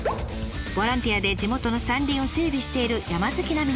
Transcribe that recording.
ボランティアで地元の山林を整備している山好きな皆さんです。